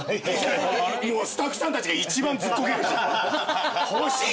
もうスタッフさんたちが一番ずっこける。